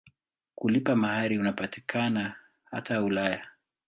Kulipa mahari unapatikana hata Ulaya.